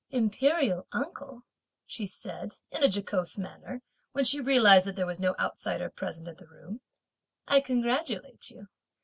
"Imperial uncle," she said, in a jocose manner, when she realised that there was no outsider present in the room, "I congratulate you!